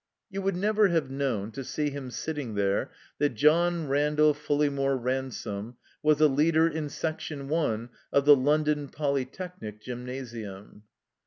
You would never have known, to see him sitting there, that John Randall Fulley more Ransome was a leader in Section I of the Lon don Pol3rtechnic Gymnasium.